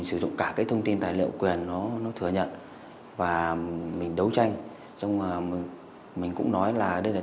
xuất hiện tại bệnh viện lao hộ